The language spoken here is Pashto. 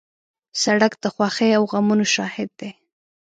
سړک د خوښۍ او غمونو شاهد دی.